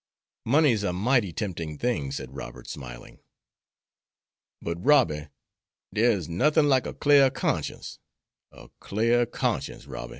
'" "Money's a mighty tempting thing," said Robert, smiling. "But, Robby, dere's nothin' like a klar conscience; a klar conscience, Robby!"